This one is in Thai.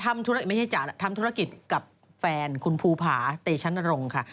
ไม่ใช่เจ๋าเรายังทำธุรกิจกับแฟนคุณภูผาเตะชั้นนรงค์ค่ะ